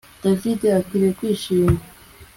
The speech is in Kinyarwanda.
David akwiriye kwishima